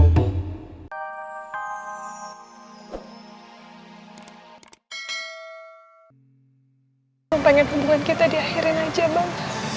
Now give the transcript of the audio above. hai pengen pembunuhan kita di akhirin aja bang